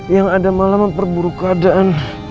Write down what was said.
yang ada malah memperburu keadaan